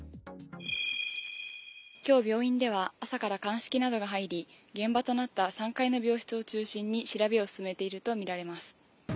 今日病院では朝から鑑識などが入り現場となった３階の病室を中心に調べを進めているとみられます。